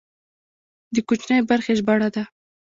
د کوچنۍ برخې ژباړه ده.